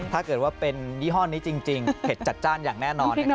ถ้าเกิดว่าเป็นยี่ห้อนี้จริงเผ็ดจัดจ้านอย่างแน่นอนนะครับ